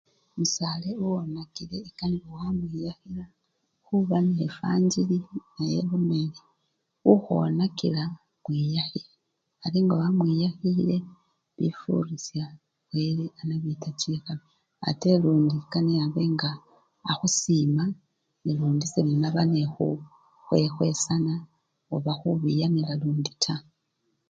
Musale owoonakile ekanibwa wamwiyakhila khuba nevanjjili nayo elomeri ukhwonakila mwiyakhile, ari nga wamwiyakhile bifurisha wele anabita chikhabii ate lundi kane abe nga akhusima nalundi semunaba nekhukhwekhwesana oba khubiyanila lundi taa.